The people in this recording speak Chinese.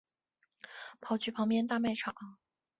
跑去旁边大卖场